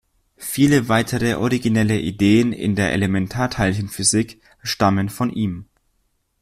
Viele weitere originelle Ideen in der Elementarteilchenphysik stammen von ihm.